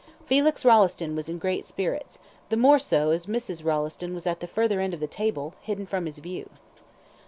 Felix Rolleston was in great spirits, the more so as Mrs. Rolleston was at the further end of the table, hidden from his view.